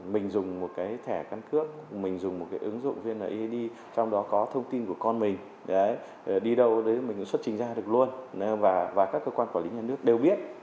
mình dùng một cái thẻ căn cước mình dùng một cái ứng dụng vnid trong đó có thông tin của con mình đi đâu đấy mình xuất trình ra được luôn và các cơ quan quản lý nhà nước đều biết